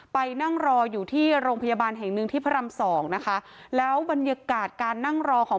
ไปนั่งรออยู่ที่โรงพยาบาลแห่ง